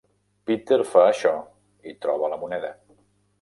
Peter fa això i troba la moneda.